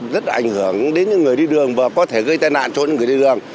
rất ảnh hưởng đến những người đi đường và có thể gây tai nạn cho những người đi đường